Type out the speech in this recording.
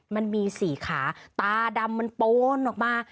มันมีสี่ขาตาดำมันโปนออกมา